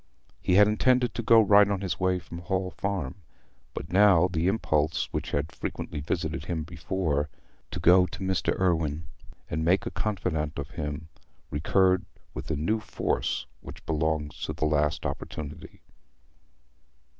He had intended to go right on his way from the Hall Farm, but now the impulse which had frequently visited him before—to go to Mr. Irwine, and make a confidant of him—recurred with the new force which belongs to a last opportunity.